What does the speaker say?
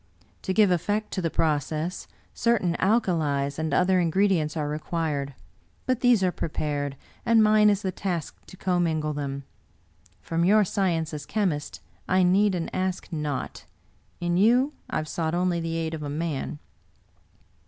To give effect to the process, certain alkalies and other ingredients are required; but these are prepared, and mine is the task to commingle them. From your sci ence as chemist I need and ask naught. In you I have sought only the aid of a man."